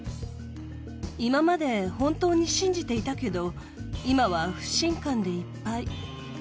今まで本当に信じていたけど今は不信感でいっぱい。